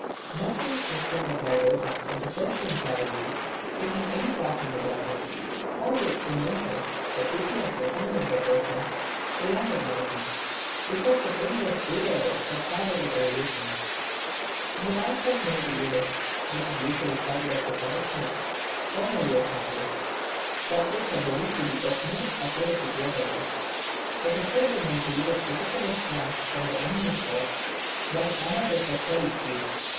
Nothing is said by Herodotus of the Persian cavalry taking any part in the battle, although he mentions that Hippias recommended the Persians to land at Marathon, because the plain was favourable for cavalry evolutions. In the life of Miltiades, which is usually cited as the production of Cornelius Nepos, but which I believe to be of no authority whatever, it is said that Miltiades protected his flanks from the enemy's horse by an abattis of felled trees.